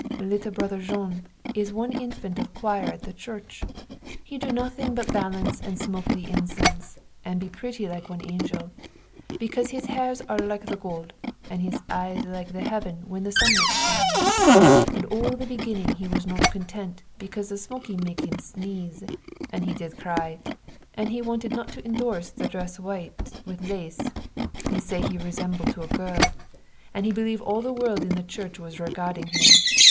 Little brother Jean is one infant of choir at the church. He do nothing but balance and smoke the incense, and be pretty like one angel; because his hairs are like the gold, and his eyes like the heaven when the sun make shine. All at the beginning he was not content because the smoking make him to sneeze, and he did cry, and he wanted not to indorse the dress white, with lace; he say he resemble to a girl; and he believe all the world in the church was regarding him.